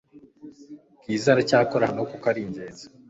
Bwiza aracyakora hano kuko ari ingenzi